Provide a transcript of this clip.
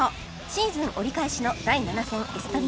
シーズン折り返しの第７戦エストニア